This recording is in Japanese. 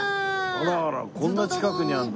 あらあらこんな近くにあるんだ。